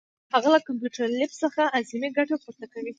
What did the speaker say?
هغه له کمپیوټر لیب څخه اعظمي ګټه پورته کوي.